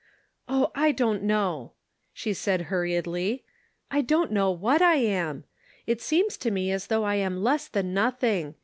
" Oh, I don't know," she said, hurriedly. "I don't know what I am. It seems to me as though I am less than nothing.